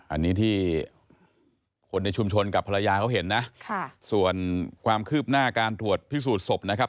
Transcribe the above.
อันนี้ที่คนในชุมชนกับภรรยาเขาเห็นนะส่วนความคืบหน้าการตรวจพิสูจน์ศพนะครับ